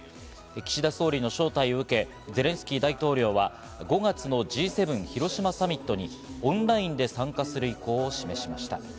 岸田総理の招待を受け、ゼレンスキー大統領は５月のＧ７広島サミットにオンラインで参加する意向を示しました。